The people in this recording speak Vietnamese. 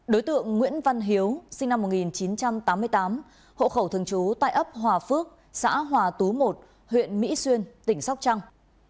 đối tượng nguyễn văn hiếu sinh năm một nghìn chín trăm tám mươi tám hộ khẩu thường trú tại ấp hòa phước xã hòa tú một huyện mỹ xuyên tỉnh sóc trăng